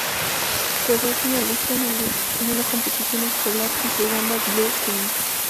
Quedó finalista en una competición escolar con su banda 'Blue Film'.